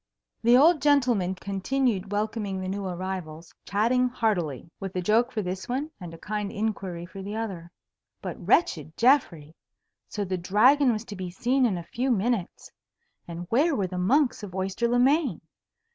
The old gentleman continued welcoming the new arrivals, chatting heartily, with a joke for this one and a kind inquiry for the other. But wretched Geoffrey! So the Dragon was to be seen in a few minutes! And where were the monks of Oyster le Main?